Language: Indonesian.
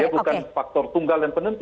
bukan faktor tunggal dan penentu